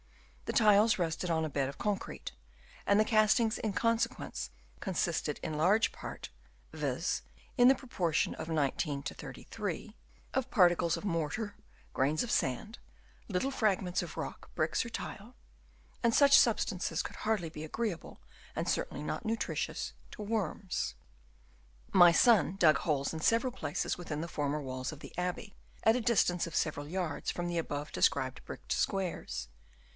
The tiles rested on a bed of concrete, and the castings in consequence con sisted in large part (viz., in the proportion of 19 to 33) of particles of mortar, grains of p 2 198 BURIAL OF THE REMAINS Chap. IV. sand, little fragments of rock, bricks or tile ; and such substances could hardly be agreeable, and certainly not nutritious, to worms. My son dug holes in several places within the former walls of the abbey, at a distance of several yards from the above described bricked squares.